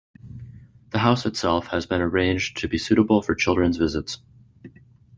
The house itself has been arranged to be suitable for children's visits.